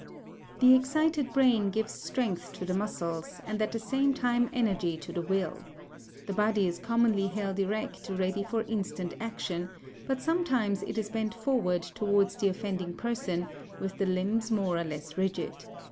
The excited brain gives strength to the muscles, and at the same time energy to the will. The body is commonly held erect ready for instant action, but sometimes it is bent forward towards the offending person, with the limbs more or less rigid.